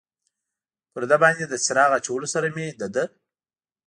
پر ده باندې له څراغ اچولو سره مې د ده.